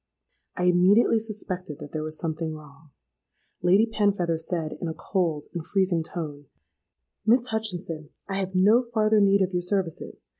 I immediately suspected that there was something wrong. Lady Penfeather said, in a cold and freezing tone, 'Miss Hutchinson, I have no farther need of your services.